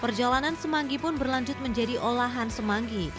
perjalanan semanggi pun berlanjut menjadi olahan semanggi